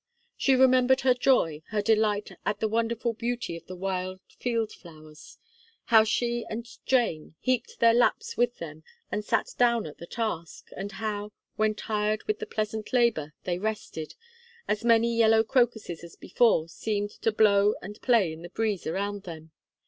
She remembered her joy, her delight at the wonderful beauty of the wild field flowers how she and Jane heaped their laps with them, and sat down at the task; and how, when tired with the pleasant labour, they rested, as many yellow crocuses as before seemed to blow and play in the breeze around them.